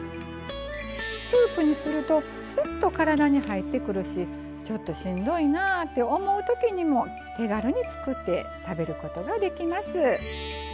スープにするとスッと体に入ってくるしちょっとしんどいなあって思う時にも手軽に作って食べることができます。